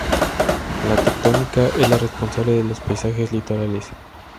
La tectónica es la responsable de los paisajes litorales.